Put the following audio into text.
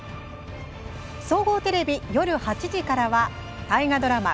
総合テレビ、夜８時からは大河ドラマ